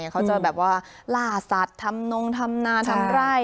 เขาจะลาสัตว์ทำนงทำนาทำไร่